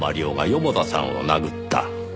男が四方田さんを殴った。